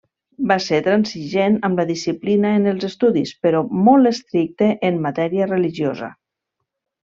Va ser transigent amb la disciplina en els estudis, però molt estricte en matèria religiosa.